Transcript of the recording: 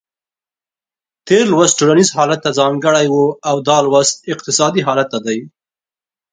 تېر لوست ټولنیز حالت ته ځانګړی و او دا لوست اقتصادي حالت ته دی.